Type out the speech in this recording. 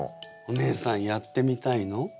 お姉さんやってみたいの？